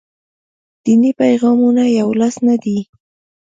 دیني پیغامونه یولاس نه دي.